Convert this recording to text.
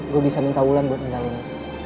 gue bisa minta ulan buat ngejauhinnya